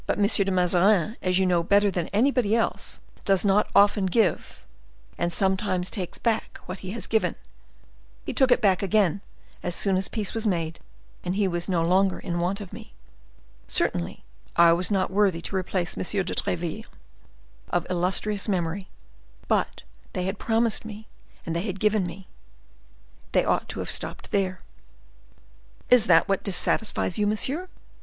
de Mazarin, as you know better than anybody, does not often give, and sometimes takes back what he has given; he took it back again as soon as peace was made and he was no longer in want of me. Certainly I was not worthy to replace M. de Treville, of illustrious memory; but they had promised me, and they had given me; they ought to have stopped there." "Is that what dissatisfies you monsieur?